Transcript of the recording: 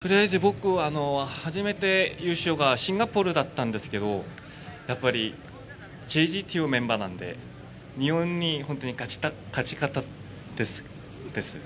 とりあえず、僕の初めての優勝がシンガポールだったんですけど、やっぱりＪＧＴＯというメンバーなんですけど、日本に勝ちたかったです。